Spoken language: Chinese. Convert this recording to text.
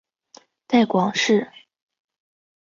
带广市